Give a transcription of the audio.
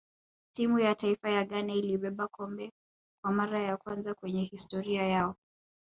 timu ya taifa ya ghana ilibeba kikombe kwa mara ya kwanza kwenye historia yao